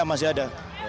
ya masih ada